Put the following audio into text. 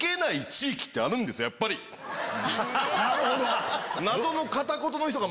なるほど！